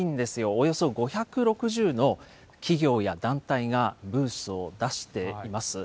およそ５６０の企業や団体がブースを出しています。